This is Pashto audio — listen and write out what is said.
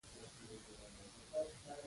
وسله د ښار ماتم ده